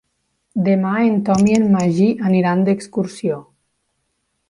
Demà en Tom i en Magí aniran d'excursió.